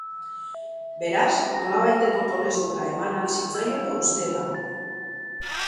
Beraz nolabaiteko tolesdura eman ahal zitzaiola uste da.